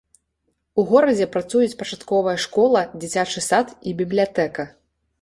У горадзе працуюць пачатковая школа, дзіцячы сад і бібліятэка.